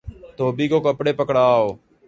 دھوبی کو کپڑے پکڑا او